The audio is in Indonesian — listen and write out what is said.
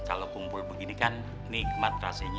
kalau kumpul begini kan nikmat rasanya